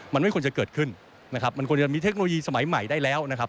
มันไม่ควรจะเกิดขึ้นนะครับมันควรจะมีเทคโนโลยีสมัยใหม่ได้แล้วนะครับ